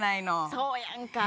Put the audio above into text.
そうやんか。